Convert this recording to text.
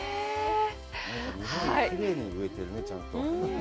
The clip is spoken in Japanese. きれいに植えてるね、ちゃんと。